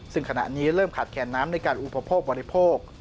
ซึ่งขณะนี้เริ่มขาดแคนน้ำในการอุปโภคบริโภค